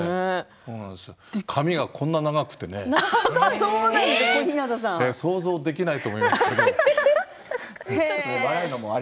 髪の毛がこんなに長くてね想像できないと思いますけど。